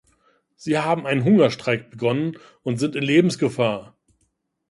Sie haben einen Hungerstreik begonnen und sind in Lebensgefahr.